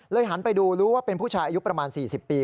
หันไปดูรู้ว่าเป็นผู้ชายอายุประมาณ๔๐ปี